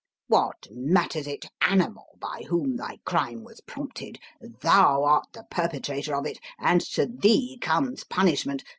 "What matters it, animal, by whom thy crime was prompted? Thou art the perpetrator of it and to thee comes punishment!